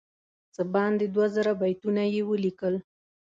څه باندې دوه زره بیتونه یې ولیکل.